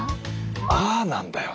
ああなんだよね。